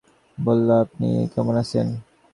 সফিক মেয়েটির দিকে তাকিয়ে বলল, আপনি কেমন আছেন?